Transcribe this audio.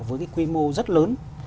với cái quy mô rất lớn